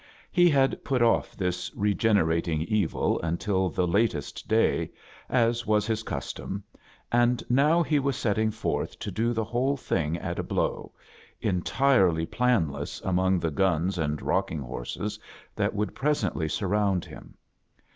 I& had pot off this re ^ generating evil until the latest day» as was his custom, and now he was set ting forth to do the whole thing at a blow, entirely planless among the guns and rocking horses that woald 'pit^ei^y _ tiiiyWi^ surround him.